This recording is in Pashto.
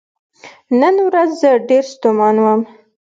نن ورځ زه ډیر ستومان وم .